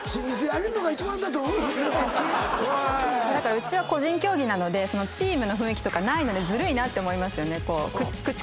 うちは個人競技なのでチームの雰囲気とかないのでずるいなって思いますよね。